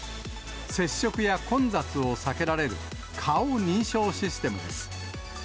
接触や混雑を避けられる顔認証システムです。